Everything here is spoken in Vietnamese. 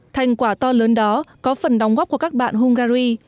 thành quả to lớn đó có phần đóng góp của các bạn hungary